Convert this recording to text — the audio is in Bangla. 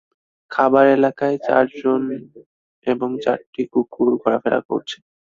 খাবার এলাকায় চারজন মানুষ এবং চারটি কুকুর ঘোরাফেরা করছে।